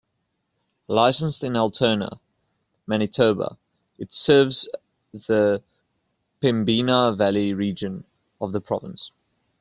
Licensed to Altona, Manitoba, it serves the Pembina Valley region of the province.